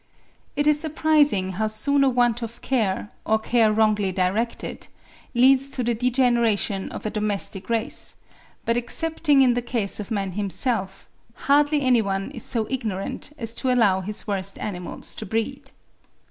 It is surprising how soon a want of care, or care wrongly directed, leads to the degeneration of a domestic race; but excepting in the case of man himself, hardly any one is so ignorant as to allow his worst animals to breed.